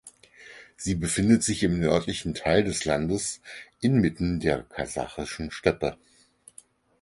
Sie befindet sich im nördlichen Teil des Landes inmitten der Kasachischen Steppe.